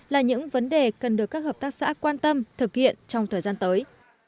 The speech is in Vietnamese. là những vấn đề cần được các hợp tác xã quan tâm thực hiện trong thời gian tới